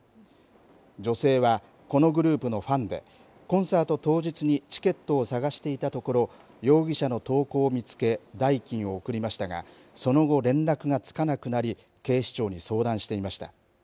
女性は、このグループのファンでコンサート当日にチケットを探していたところ容疑者の投稿を見つけ代金を送りましたがその後、連絡がつかなくなり警視庁に相談していました。